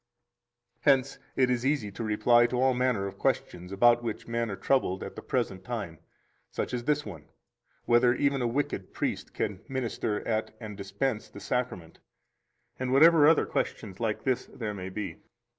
15 Hence it is easy to reply to all manner of questions about which men are troubled at the present time, such as this one: Whether even a wicked priest can minister at, and dispense, the Sacrament, and whatever other questions like this there may be.